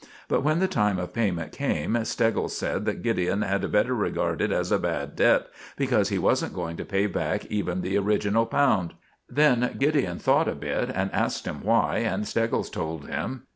But when the time of payment came, Steggles said that Gideon had better regard it as a bad debt, because he wasn't going to pay back even the original pound. Then Gideon thought a bit, and asked him why, and Steggles told him.